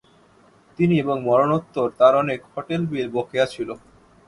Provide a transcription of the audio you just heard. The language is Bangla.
তিনি এবং মরণোত্তর তার অনেক হোটেল বিল বকেয়া ছিল।